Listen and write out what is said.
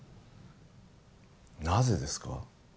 なぜですか？